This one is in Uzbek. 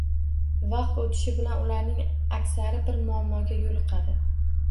Vaqt o‘tishi bilan ularning aksari bir muammoga yo‘liqadi